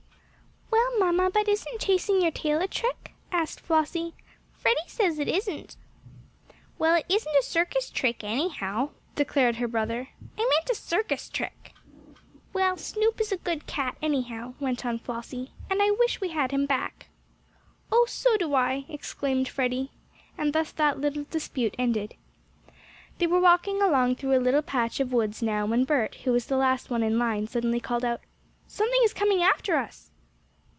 "Well, mamma, but isn't chasing your tail a trick?" asked Flossie. "Freddie says it isn't." "Well, it isn't a circus trick, anyhow," declared her brother. "I meant a circus trick." "Well, Snoop is a good cat, anyhow," went on Flossie, "and I wish we had him back." "Oh, so do I!" exclaimed Freddie, and thus that little dispute ended. They were walking along through a little patch of woods now, when Bert, who was the last one in line, suddenly called out: "Something is coming after us!"